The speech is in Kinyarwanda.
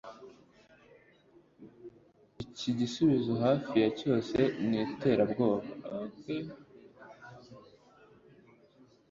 Iki gisubizo hafi ya cyose ni iterabwoba.